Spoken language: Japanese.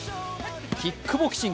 更にキックボクシング。